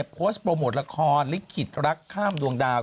โพสต์โปรโมทละครลิขิตรักข้ามดวงดาว